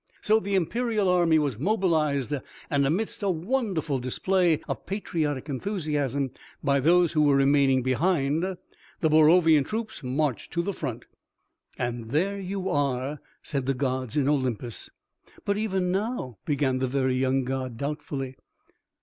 So the Imperial Army was mobilized and, amidst a wonderful display of patriotic enthusiasm by those who were remaining behind, the Borovian troops marched to the front.... _("And there you are," said the gods in Olympus. "But even now " began the very young god doubtfully.